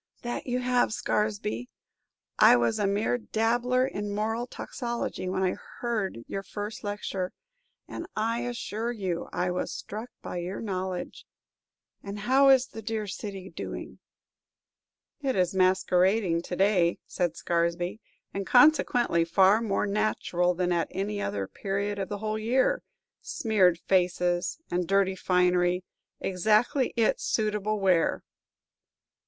"That you have, Scaresby. I was a mere dabbler in moral toxicology when I heard your first lecture, and, I assure you, I was struck by your knowledge. And how is the dear city doing?" "It is masquerading to day," said Scaresby, "and, consequently, far more natural than at any other period of the whole year. Smeared faces and dirty finery, exactly its suitable wear!"